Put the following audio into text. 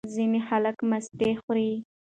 ځینې خلک مستې خوري.